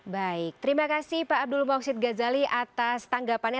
baik terima kasih pak abdul mawksid gazali atas tanggapannya